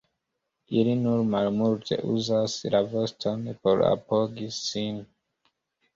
Ili nur malmulte uzas la voston por apogi sin.